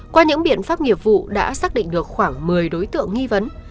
qua những biện pháp nghiệp vụ đã xác định được khoảng một mươi đối tượng nghi vấn